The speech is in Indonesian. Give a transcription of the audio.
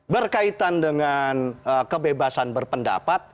berkaitan dengan kebebasan berpendapat